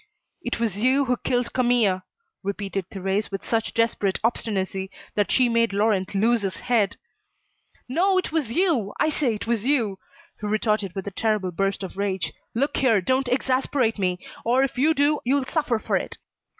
"It was you who killed Camille," repeated Thérèse with such desperate obstinacy that she made Laurent lose his head. "No, it was you, I say it was you," he retorted with a terrible burst of rage. "Look here, don't exasperate me, or if you do you'll suffer for it.